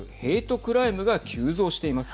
クライムが急増しています。